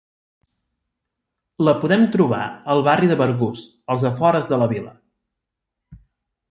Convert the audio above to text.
La podem trobar al barri de Bergús, als afores de la vila.